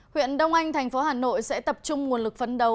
huyện đông anh thành phố hà nội sẽ tập trung nguồn lực phấn đấu